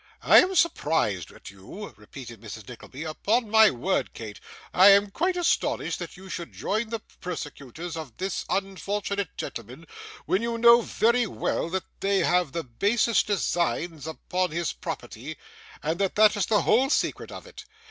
'I am surprised at you,' repeated Mrs. Nickleby; 'upon my word, Kate, I am quite astonished that you should join the persecutors of this unfortunate gentleman, when you know very well that they have the basest designs upon his property, and that that is the whole secret of it.